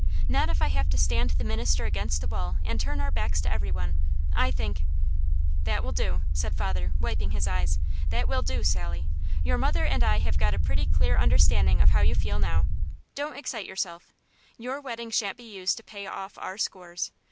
Not if I have to stand the minister against the wall, and turn our backs to every one. I think " "That will do!" said father, wiping his eyes. "That will do, Sally! Your mother and I have got a pretty clear understanding of how you feel, now. Don't excite yourself! Your wedding shan't be used to pay off our scores.